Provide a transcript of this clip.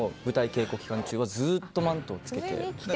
稽古期間中はずっとマントを着けて。